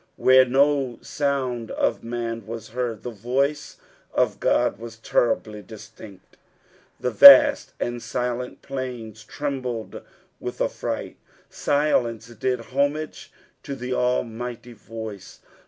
Where no aound of man was heard, the voice of flod waa terribly distinct. The vnst and silent plains trembled with affright. Bilence did homage to the Almighty voice.